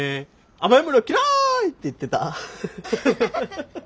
「甘い物嫌い！」って言ってた。